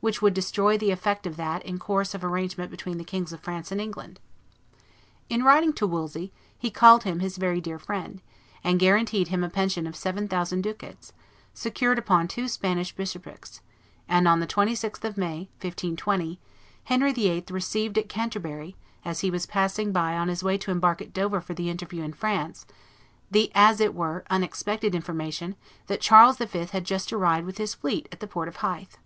which would destroy the effect of that in course of arrangement between the Kings of France and England. In writing to Wolsey he called him his "very dear friend," and guaranteed him a pension of seven thousand ducats, secured upon two Spanish bishoprics; and on the 26th of May, 1520, Henry VIII. received at Canterbury, as he was passing by on his way to embark at Dover for the interview in France, the as it were unexpected information that Charles V. had just arrived with his fleet at the port of Hythe.